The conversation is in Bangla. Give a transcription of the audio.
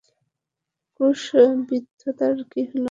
ক্রুশবিদ্ধটার কি হলো?